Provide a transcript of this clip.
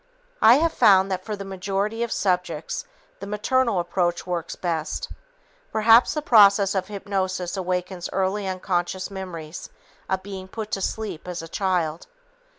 I have found that for the majority of subjects the maternal approach works best. Perhaps the process of hypnosis awakens early unconscious memories of being put to sleep as a child.